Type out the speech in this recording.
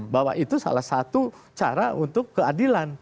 bahwa itu salah satu cara untuk keadilan